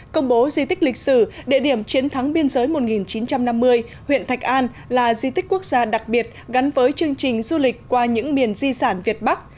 công bố di tích lịch sử địa điểm chiến thắng biên giới một nghìn chín trăm năm mươi huyện thạch an là di tích quốc gia đặc biệt gắn với chương trình du lịch qua những miền di sản việt bắc